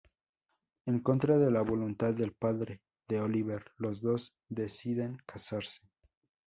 En contra de la voluntad del padre de Oliver, los dos deciden casarse.